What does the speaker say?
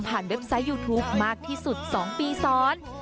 เว็บไซต์ยูทูปมากที่สุด๒ปีซ้อน